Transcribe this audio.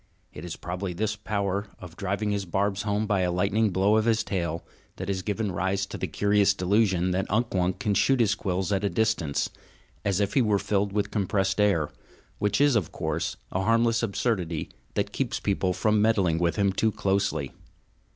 It is probably this power of driving his barbs home by a lightning blow of his tail that has given rise to the curious delusion that Unk Wunk can shoot his quills at a distance, as if he were filled with compressed air which is, of course, a harmless absurdity that keeps people from meddling with him too closely.